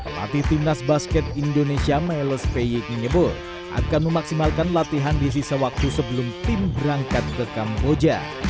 pelatih timnas basket indonesia miles peyit menyebut akan memaksimalkan latihan di sisa waktu sebelum tim berangkat ke kamboja